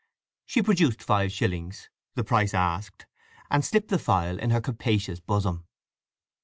She produced five shillings, the price asked, and slipped the phial in her capacious bosom.